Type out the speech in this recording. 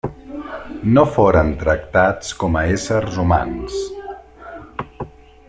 No foren tractats com a éssers humans.